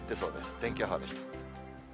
天気予報でした。